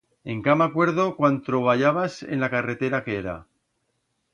Encá m'acuerdo cuan troballabas en la carretera aquera.